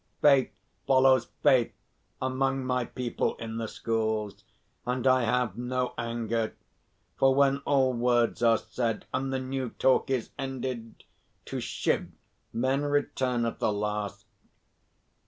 Faith follows faith among my people in the schools, and I have no anger; for when all words are said, and the new talk is ended, to Shiv men return at the last."